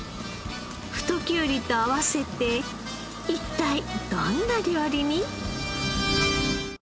太きゅうりと合わせて一体どんな料理に？